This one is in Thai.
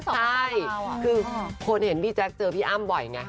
ใช่คือคนเห็นพี่แจ๊คเจอพี่อ้ำบ่อยไง